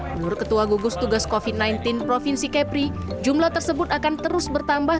menurut ketua gugus tugas covid sembilan belas provinsi kepri jumlah tersebut akan terus bertambah